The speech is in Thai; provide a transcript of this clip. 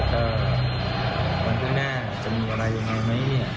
แล้วก็วันพรุ่งหน้าจะมีอะไรอย่างไรไหม